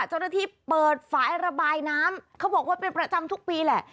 เจ้าหน้าที่เปิดฝายระบายน้ำเขาบอกว่าเป็นประจำทุกปีแหละ